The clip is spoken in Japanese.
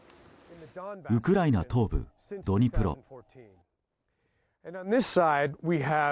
ウクライナ東部ドニプロ。